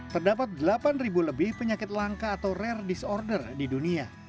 terdapat delapan ribu lebih penyakit langka atau rare disorder di dunia